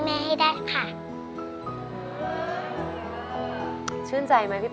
แล้วน้องใบบัวร้องได้หรือว่าร้องผิดครับ